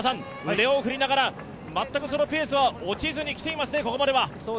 腕を振りながら、全くペースは落ちずに来ていますね、ここまでは。